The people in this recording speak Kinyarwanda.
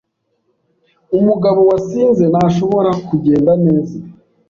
Umugabo wasinze ntashobora kugenda neza.